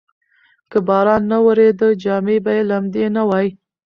که باران نه وریده، جامې به یې لمدې نه وای.